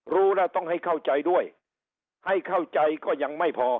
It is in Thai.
รู้แล้วต้องให้เข้าใจด้วยให้เข้าใจก็ยังไม่พอ